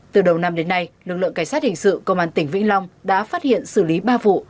từ đầu năm đến nay lực lượng cảnh sát hình sự công an tỉnh vĩnh long đã phát hiện xử lý ba vụ